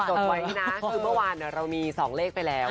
จดไว้นะคือเมื่อวานเรามี๒เลขไปแล้ว